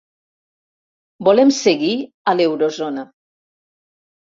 Volem seguir a l’eurozona.